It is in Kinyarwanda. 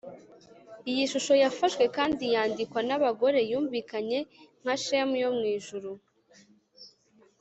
iyi shusho yafashwe kandi yandikwa nabagore yumvikanye nka chime yo mwijuru.